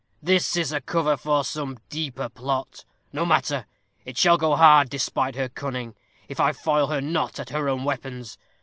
This is a cover for some deeper plot; no matter. It shall go hard, despite her cunning, if I foil her not at her own weapons.